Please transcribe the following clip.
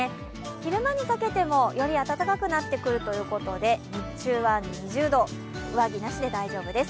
昼間にかけてもより暖かくなってくるということで日中は２０度上着なしで大丈夫です。